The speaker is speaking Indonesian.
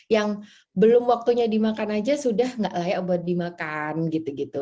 yang belum waktunya dimakan aja sudah nggak layak buat dimakan gitu gitu